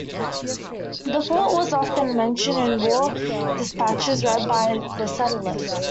The fort was often mentioned in war dispatches read by the settlers.